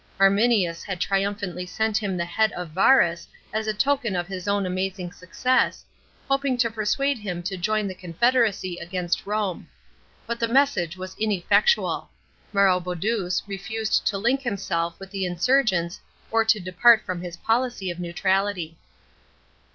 Arminius had triumphantly sent him the 9 A.D. DEFEAT OF VARUS. 137 head of Varus as a token of his own amazing success, hoping to persuade him to join the confederacy against Rome. But the message was ineffectual. Maroboduus refused to link himself with the insurgents or to depart from his policy of neutrality.